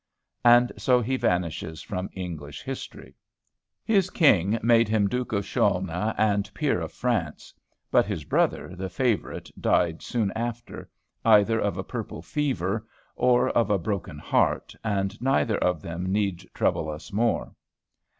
And so he vanishes from English history. His king made him Duke of Chaulnes and Peer of France, but his brother, the favorite died soon after, either of a purple fever or of a broken heart, and neither of them need trouble us more.